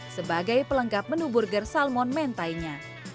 sebagai pelengkap menu burger salmon mentainya